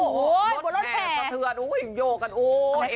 จาเถือนโอ้โหเห็นยโห่กันโอ้โห